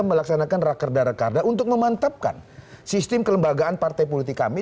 melaksanakan rakerda rakerda untuk memantapkan sistem kelembagaan partai politik kami